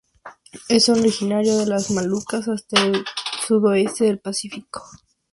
Es originario de las Molucas hasta el sudoeste del Pacífico.